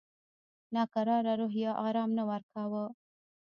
ناکراره روح یې آرام نه ورکاوه.